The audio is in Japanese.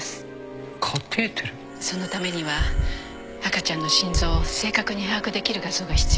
そのためには赤ちゃんの心臓を正確に把握できる画像が必要です。